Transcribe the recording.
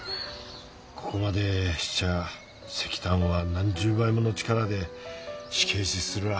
ここまでしちゃ石炭王は何十倍もの力で仕返しするら。